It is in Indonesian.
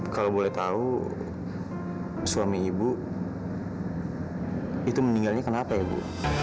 kalau boleh tahu suami ibu itu meninggalnya kenapa ya ibu